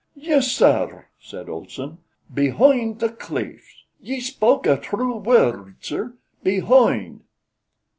"Yis, sir," said Olson, "behoind the cliffs! Ye spoke a true word, sir behoind!"